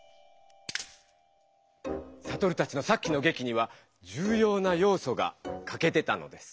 サトルたちのさっきの劇には重要な要素がかけてたのです。